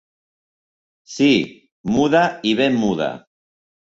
Sí, muda i ben muda.